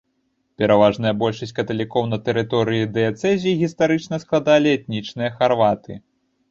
Пераважная большасць каталікоў на тэрыторыі дыяцэзіі гістарычна складалі этнічныя харваты.